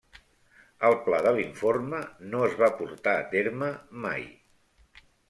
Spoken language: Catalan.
El pla de l'informe no es va portar a terme mai.